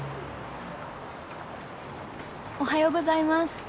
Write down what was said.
おはようございます。